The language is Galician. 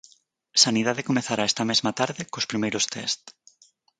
Sanidade comezará este mesma tarde cos primeiros test.